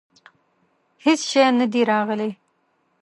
هیڅ شی نه دي راغلي.